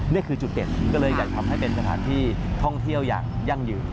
นี่คือจุดเด่นก็เลยอยากทำให้เป็นสถานที่ท่องเที่ยวอย่างยั่งยืน